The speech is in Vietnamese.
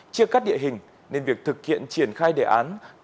chia cắt địa hình nên việc thực hiện triển khai đề án